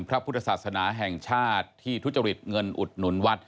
พระพุทธศาสนาแห่งชาติที่ทุจริตเงินอุดหนุนวัด